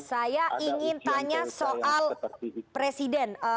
saya ingin tanya soal presiden